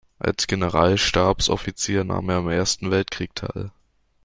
Als Generalstabsoffizier nahm er am Ersten Weltkrieg teil.